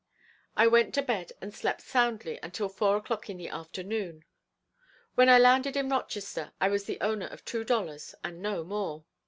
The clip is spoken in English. I went to bed and slept soundly until four o'clock in the afternoon. When I landed in Rochester I was the owner of two dollars and no more.